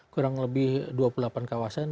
kurang lebih dua puluh delapan kawasan